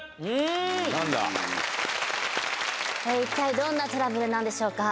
え一体どんなトラブルなんでしょうか？